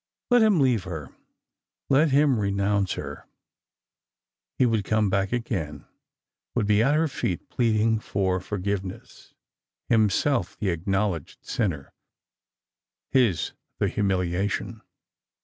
Let him leave her ; let him renounce her. He would come back again, would be at her feet pleading for for giveness, himself the acknowledged sinner, his the humiliation.